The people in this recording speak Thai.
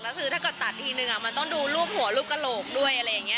แล้วคือถ้าเกิดตัดทีนึงมันต้องดูรูปหัวรูปกระโหลกด้วยอะไรอย่างนี้